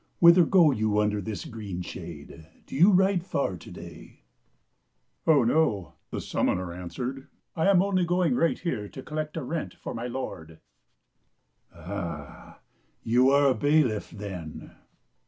Whither go you under this green shade? Do you ride far to day ?"" Oh, no," the summoner answered ;" I am only going right here to collect a rent for my lord." "Ah, you are a bailiff, then?"